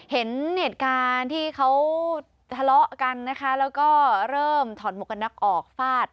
เห็นเหตุการณ์ที่เขาทะเลาะกันนะคะแล้วก็เริ่มถอดหมวกกันน็อกออกฟาด